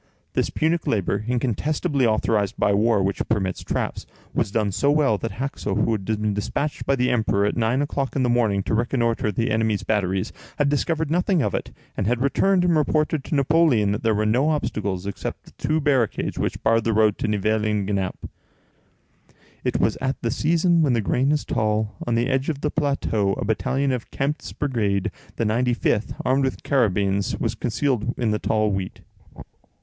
This punic labor, incontestably authorized by war, which permits traps, was so well done, that Haxo, who had been despatched by the Emperor at nine o'clock in the morning to reconnoitre the enemy's batteries, had discovered nothing of it, and had returned and reported to Napoleon that there were no obstacles except the two barricades which barred the road to Nivelles and to Genappe. It was at the season when the grain is tall; on the edge of the plateau a battalion of Kempt's brigade, the 95th, armed with carabines, was concealed in the tall wheat.